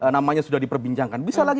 namanya sudah diperbincangkan bisa lagi